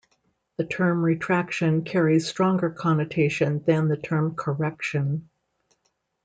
The term "retraction" carries stronger connotation than the term "correction".